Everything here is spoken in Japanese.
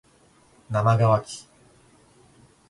なまがわき